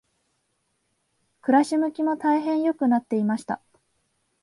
暮し向きも大変良くなっていました。